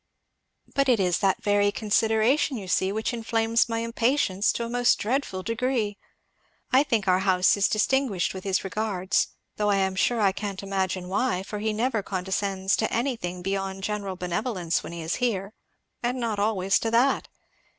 "But it is that very consideration, you see, which inflames my impatience to a most dreadful degree. I think our house is distinguished with his regards, though I am sure I can't imagine why, for he never condescends to anything beyond general benevolence when he is here, and not always to that.